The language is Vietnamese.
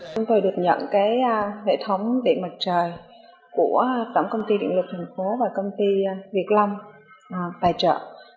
chúng tôi được nhận hệ thống điện mặt trời của tổng công ty điện lực tp hcm và công ty việt long bài trợ